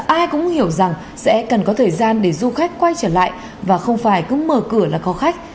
ai cũng hiểu rằng sẽ cần có thời gian để du khách quay trở lại và không phải cứ mở cửa là có khách